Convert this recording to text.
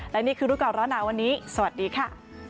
และนี่คือรู้ก่อนร้อนหนาวันนี้สวัสดีค่ะ